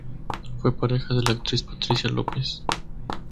Fue pareja de la actriz Patricia López.